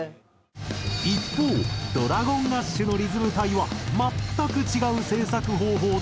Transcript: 一方ＤｒａｇｏｎＡｓｈのリズム隊は全く違う制作方法だそうで。